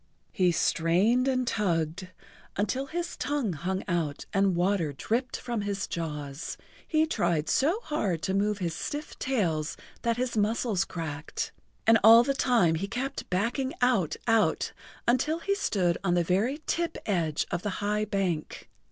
He strained and tugged until his tongue hung out and water dripped from his jaws, he tried so hard to move his stiff tails that his muscles cracked, and all the time he kept backing out, out, until he stood on the very tip edge of the high bank.